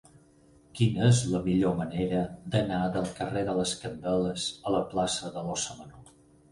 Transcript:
Quina és la millor manera d'anar del carrer de les Candeles a la plaça de l'Óssa Menor?